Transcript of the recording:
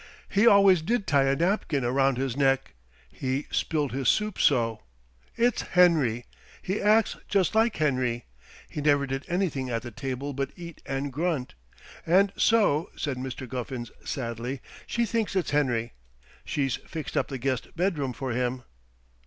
He always did tie a napkin around his neck he spilled his soup so. It's Henry! It acts just like Henry. He never did anything at the table but eat and grunt.' And so," said Mr. Guffins sadly, "she thinks it's Henry. She's fixed up the guest bedroom for him."